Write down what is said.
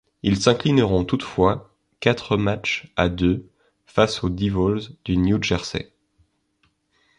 Ils s'inclineront toutefois quatre matchs à deux face aux Devils du New Jersey.